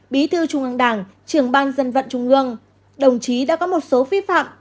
bí thư trung an đảng trường ban dân vận trung ương đồng chí đã có một số phi phạm